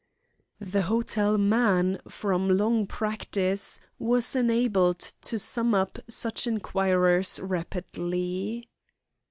The hotel man, from long practice, was enabled to sum up such inquirers rapidly.